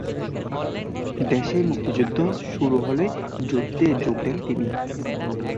দেশে মুক্তিযুদ্ধ শুরু হলে যুদ্ধে যোগ দেন তিনি।